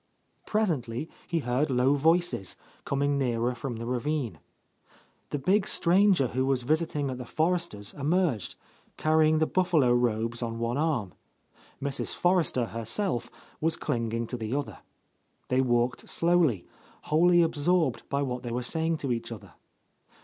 Presently he heard low voices, coming nearer from the ravine. The big stranger who was visiting at the Forresters' emerged, carrying the buffalo robes on one arm; Mrs. Forrester herself was clinging to the other. They walked slowly, wholly absorbed by what they were saying to each other.